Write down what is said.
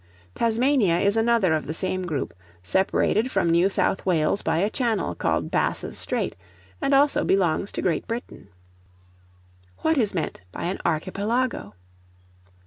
Tasmania is another of the same group, separated from New South Wales by a channel called Bass's Strait, and also belongs to Great Britain. What is meant by an Archipelago?